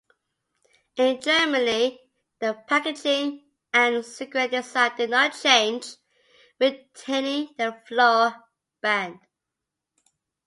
In Germany the packaging and cigarette design did not change, retaining the floral band.